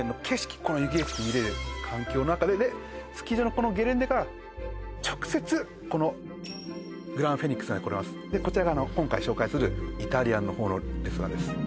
この雪景色見れる環境の中でスキー場のこのゲレンデから直接このグランフェニックスに来れますでこちらが今回紹介するイタリアンの方のレストランです